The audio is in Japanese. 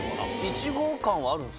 イチゴ感はあるんですか？